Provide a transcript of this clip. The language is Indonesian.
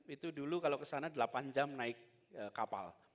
itu dulu kalau kesana delapan jam naik kapal